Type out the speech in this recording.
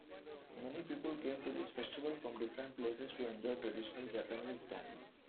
Many people come to this festival from different places to enjoy traditional Japanese dancing.